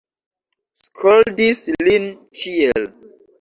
Skoldis lin ĉiel.